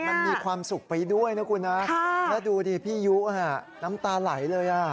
มันมีความสุขไปด้วยนะคุณนะแล้วดูดิพี่ยุน้ำตาไหลเลยอ่ะ